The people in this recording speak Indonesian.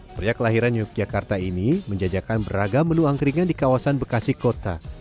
pria kelahiran yogyakarta ini menjajakan beragam menu angkringan di kawasan bekasi kota